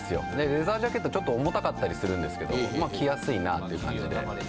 レザージャケットちょっと重たかったりするんですけど着やすいなっていう感じで。